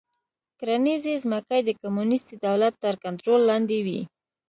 کرنیزې ځمکې د کمونېستي دولت تر کنټرول لاندې وې